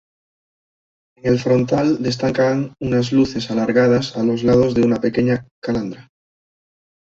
En el frontal destacan unas luces alargadas a los lados de una pequeña calandra.